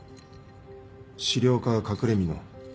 資料課は隠れみの。